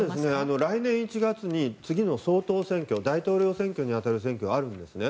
来年１月に次の総統選挙大統領選挙に当たる選挙があるんですね。